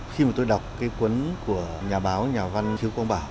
khi mà tôi đọc cái cuốn của nhà báo nhà văn khiếu quang bảo